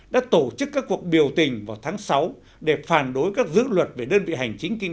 đã tổ chức các cuộc biểu tình vào tháng sáu để phản đối các dữ luật về đơn vị hành chính kinh